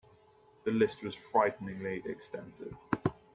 The list was frighteningly extensive.